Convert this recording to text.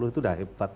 itu udah hebat